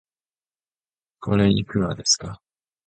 これ、いくらですか